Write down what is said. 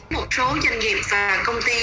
một số doanh nghiệp và công ty